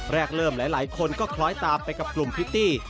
แรกเริ่มหลายคนก็คล้อยตามไปกับกลุ่มพิตตี้